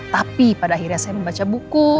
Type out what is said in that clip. tapi pada akhirnya saya membaca buku